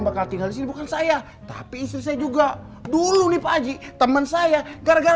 bakal tinggal di sini bukan saya tapi istri saya juga dulu lif aji teman saya gara gara